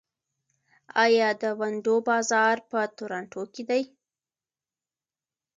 آیا د ونډو بازار په تورنټو کې نه دی؟